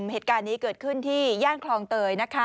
เหตุการณ์นี้เกิดขึ้นที่ย่านคลองเตย